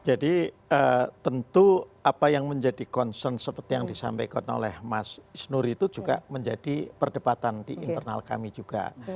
jadi tentu apa yang menjadi concern seperti yang disampaikan oleh mas isnuri itu juga menjadi perdebatan di internal kami juga